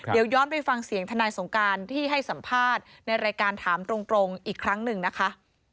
เดี๋ยวย้อนไปฟังเสียงทนายสงการที่ให้สัมภาษณ์ในรายการถามตรงอีกครั้งหนึ่งนะคะ